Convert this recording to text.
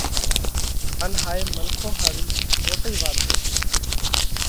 ان هائي منکون ۿارُو موٽئِي وات هوشي